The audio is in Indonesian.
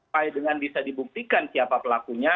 baik dengan bisa dibuktikan siapa pelakunya